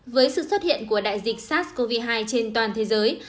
với sự xuất hiện của đại dịch sars cov hai trên toàn thế giới